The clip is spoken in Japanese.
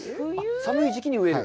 寒い時期に植える。